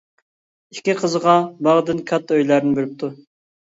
ئىككى قىزىغا باغدىن كاتتا ئۆيلەرنى بېرىپتۇ.